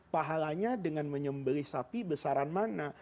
pahalanya dengan menyembelih sapi besaran mana